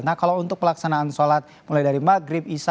nah kalau untuk pelaksanaan sholat mulai dari maghrib